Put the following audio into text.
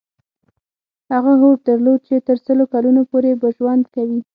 هغه هوډ درلود چې تر سلو کلونو پورې به ژوند کوي.